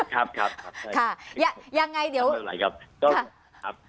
ครับครับครับนำแล้วไหลครับ